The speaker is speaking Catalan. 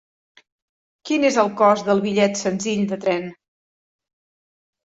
Quin és el cost del bitllet senzill de tren?